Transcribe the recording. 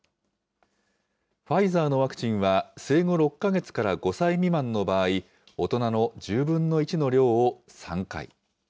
ファイザーのワクチンは、生後６か月から５歳未満の場合、大人の１０分の１の量を３回。